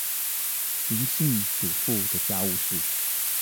林姓主婦的家務事